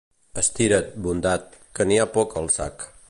Estira't, bondat, que n'hi ha poca al sac.